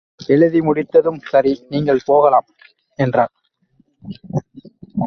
எழுதி முடித்ததும் சரி நீங்கள்போகலாம் என்றார்.